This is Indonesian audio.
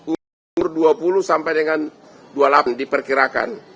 umur dua puluh sampai dengan dua puluh delapan diperkirakan